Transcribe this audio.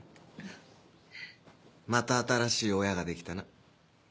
また新しい親ができたな。